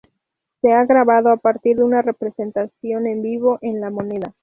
Se ha grabado a partir de una representación en vivo en La Moneda.